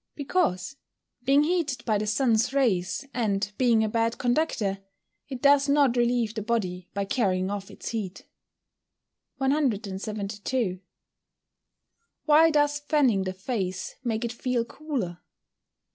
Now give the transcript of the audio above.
_ Because, being heated by the sun's rays, and being a bad conductor, it does not relieve the body by carrying off its heat. 172. _Why does fanning the face make it feel cooler?